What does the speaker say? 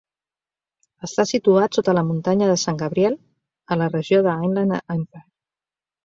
Està situat sota la muntanya de San Gabriel, a la regió de l'Inland Empire.